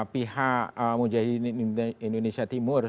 pihak mujahidin indonesia timur